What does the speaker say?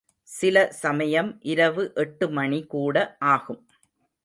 சில சமயம் இரவு எட்டு மணி கூட ஆகும்.